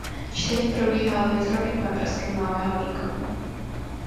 Čtení probíhá laserovým paprskem malého výkonu.